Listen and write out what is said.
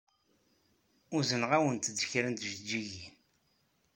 Uzneɣ-awent-d kra n tjeǧǧigin.